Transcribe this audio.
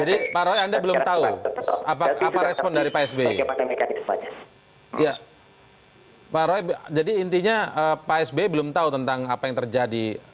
jadi pak roy anda belum tahu apa apa respon dari pak sby ya pak roy jadi intinya pak sby belum tahu tentang apa yang terjadi